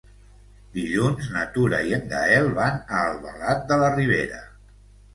Dilluns na Tura i en Gaël van a Albalat de la Ribera.